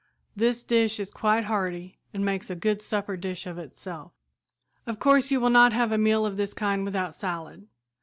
This dish is quite hearty and makes a good supper dish of itself. "Of course you will not have a meal of this kind without salad.